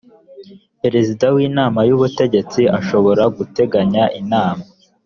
perezia w’inama y’ubutegetsi ashobora guteganya inama